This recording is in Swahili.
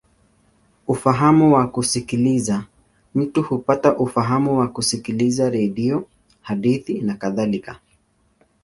Ufahamu wa kusikiliza: mtu hupata ufahamu kwa kusikiliza redio, hadithi, nakadhalika.